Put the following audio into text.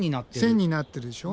線になってるでしょ。